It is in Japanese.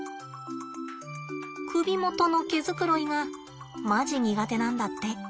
首元の毛繕いがマジ苦手なんだって。